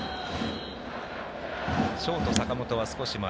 ショート、坂本は少し前。